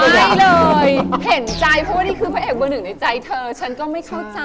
ไม่เลยเห็นใจเพราะว่านี่คือพระเอกเบอร์หนึ่งในใจเธอฉันก็ไม่เข้าใจ